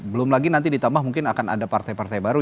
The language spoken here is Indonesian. belum lagi nanti ditambah mungkin akan ada partai partai baru